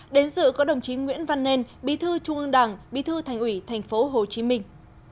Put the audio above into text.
đến dự có đồng chí nguyễn văn nên bí thư trung ương đảng bí thư thành ủy thành phố hồ chí minh